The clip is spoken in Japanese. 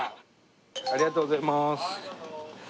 ありがとうございます。